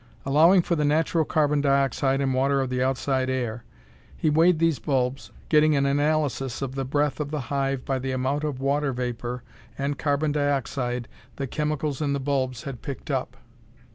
Allowing for the natural carbon dioxide and water of the outside air, he weighed these bulbs, getting an analysis of the breath of the hive by the amount of water vapor and carbon dioxide the chemicals in the bulbs had picked up.